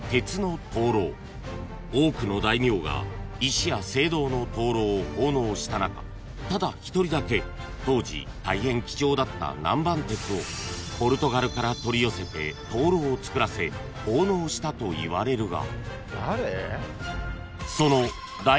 ［多くの大名が石や青銅の灯籠を奉納した中ただ一人だけ当時大変貴重だった南蛮鉄をポルトガルから取り寄せて灯籠をつくらせ奉納したといわれるがその大名とはいったい誰？］